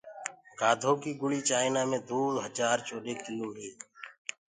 گآڌو ڪيٚ گُݪيٚ چآئنآ مي دو هجآر چوڏي ڪلو هي